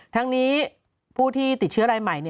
ทั้งนี้ผู้ที่ติดเชื้อรายใหม่